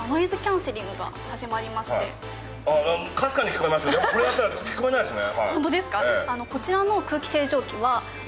かすかに聞こえますね、でもこれだったら聞こえないですね。